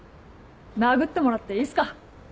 殴ってもらっていいっすか。